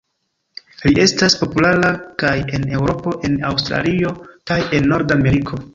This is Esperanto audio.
Li estas populara kaj en Eŭropo, en Aŭstralio kaj en Norda Ameriko.